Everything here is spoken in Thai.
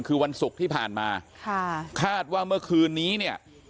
คือวันศุกร์ที่ผ่านมาค่ะคาดว่าเมื่อคืนนี้เนี่ย